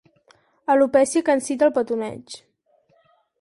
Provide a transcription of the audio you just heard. Alopècia que incita al petoneig.